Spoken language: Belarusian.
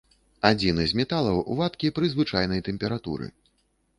Адзіны з металаў, вадкі пры звычайнай тэмпературы.